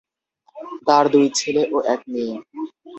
তার দুই ছেলে ও এক মেয়ে।